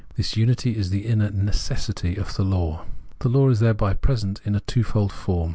This unity is the inner " necessity " of the law. The law is thereby present in a twofold form.